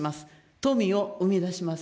富を生み出します。